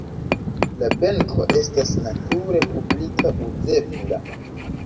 La benko estas nature publika, uzebla.